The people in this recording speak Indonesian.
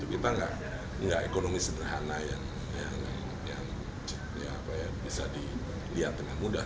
kita nggak ekonomi sederhana yang bisa dilihat dengan mudah